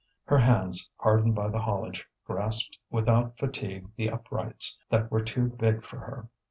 Her hands, hardened by the haulage, grasped without fatigue the uprights that were too big for her.